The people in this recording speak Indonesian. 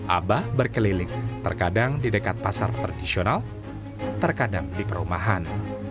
abah berkeliling terkadang di dekat pasar tradisional terkadang di perumahan